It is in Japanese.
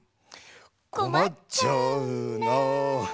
「こまっちゃうな」